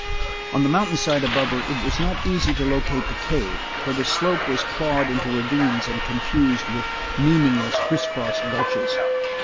On the mountainside above her, it was not easy to locate the cave, for the slope was clawed into ravines and confused with meaningless criss cross gulches.